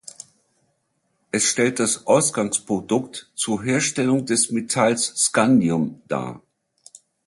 Es stellt das Ausgangsprodukt zur Herstellung des Metalls Scandium dar.